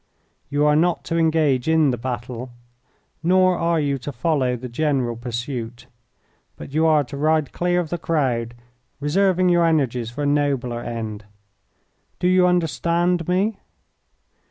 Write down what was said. You are not to engage in the battle, nor are you to follow the general pursuit, but you are to ride clear of the crowd, reserving your energies for a nobler end. Do you understand me?"